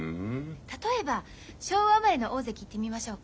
例えば昭和生まれの大関言ってみましょうか。